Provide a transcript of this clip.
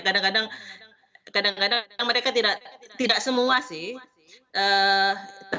kadang kadang mereka tidak semua sih